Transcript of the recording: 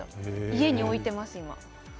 家に置いてます、今。